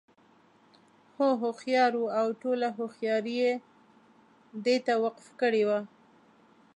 دى هوښيار وو او ټوله هوښياري یې دې ته وقف کړې وه.